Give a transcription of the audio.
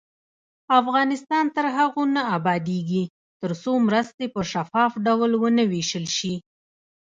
افغانستان تر هغو نه ابادیږي، ترڅو مرستې په شفاف ډول ونه ویشل شي.